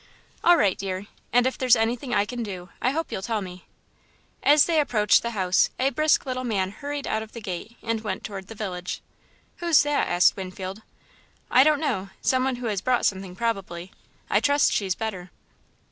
"All right, dear, and if there's anything I can do, I hope you'll tell me." As they approached the house, a brisk little man hurried out of the gate and went toward the village. "Who's that?" asked Winfield. "I don't know some one who has brought something, probably. I trust she's better."